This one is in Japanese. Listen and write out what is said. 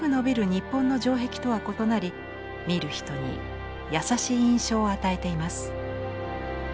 日本の城壁とは異なり見る人に優しい印象を与えています。